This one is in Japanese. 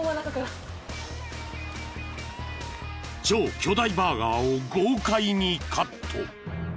［超巨大バーガーを豪快にカット］